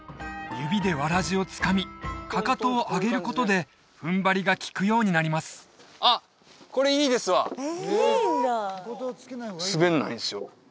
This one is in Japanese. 指でわらじをつかみかかとを上げることで踏ん張りがきくようになります滑んないんですよ